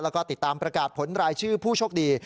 แล้วก็ติดตามประกาศผลรายชื่อผู้โชคดี